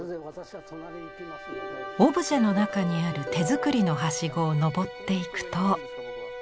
オブジェの中にある手作りのはしごを登っていくと。